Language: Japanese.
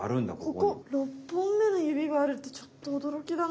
ここ６本目のゆびがあるってちょっとおどろきだな。